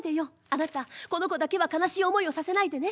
あなたこの子だけは悲しい思いをさせないでね。